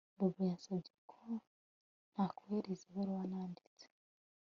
Bobo yansabye ko ntakohereza ibaruwa nanditse